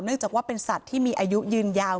จากว่าเป็นสัตว์ที่มีอายุยืนยาว